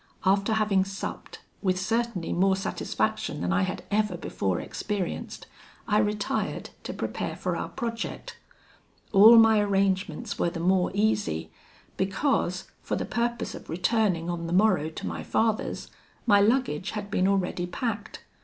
"After having supped, with certainly more satisfaction than I had ever before experienced, I retired to prepare for our project. All my arrangements were the more easy, because, for the purpose of returning on the morrow to my father's, my luggage had been already packed.